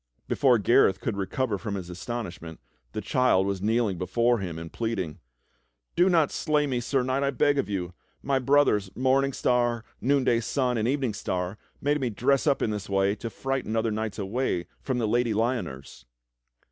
Before Gareth could recover from his astonishment, the child was kneeling before him and pleading: "Do not slay me. Sir Knight, I beg of you! My brothers. Morn ing Star, Noonday Sun, and Evening Star made me dress up in this way to frighten other knights away from the Lady Lyoners."